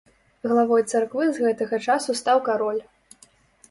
Главой царквы з гэтага часу стаў кароль.